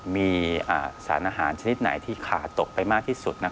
มีสารอาหารชนิดไหนที่ขาตกไปมากที่สุด